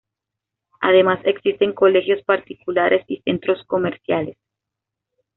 Además, existen colegios particulares y centros comerciales.